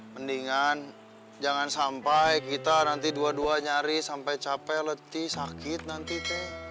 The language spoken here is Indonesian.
mendingan jangan sampai kita nanti dua dua nyari sampai capek letih sakit nanti teh